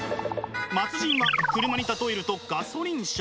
末人は車に例えるとガソリン車。